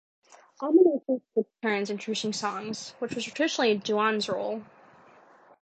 Allman and Oakley took turns introducing songs, which was traditionally Duane's role.